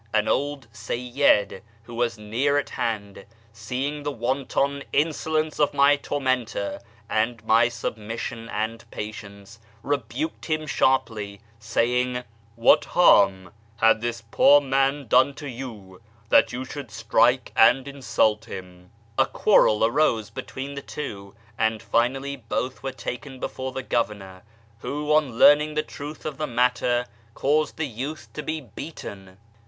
An old Seyyid who was near at hand, seeing the wanton insolence of my tormentor, and my sub mission and patience, rebuked him sharply, saying, ' What harm had this poor man done to you that you should strike and insult him ?' A quarrel arose between the two, and finally both were taken before the Governor, who, on learning the truth of the matter, caused the youth to be beaten.